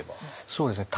そうですね